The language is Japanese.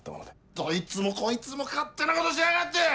どいつもこいつも勝手なことしやがって！